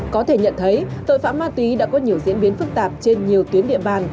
có thể nhận thấy tội phạm ma túy đã có nhiều diễn biến phức tạp trên nhiều tuyến địa bàn